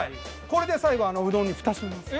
これで最後うどんに蓋します。